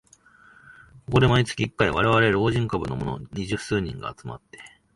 ここで毎月一回、われわれ老人株のもの二十数人が集まって